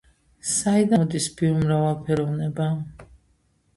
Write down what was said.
საიდან მოდის ბიომრავალფეროვნება?